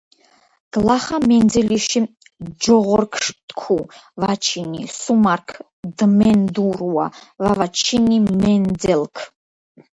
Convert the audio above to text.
გლახა მენძელიში ჯოღორქ თქუუ: ვაჩინი - სუმარქ დმენდურუა, ვავაჩინი - მენძელქ.